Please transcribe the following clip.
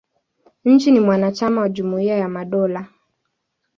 Nchi ni mwanachama wa Jumuia ya Madola.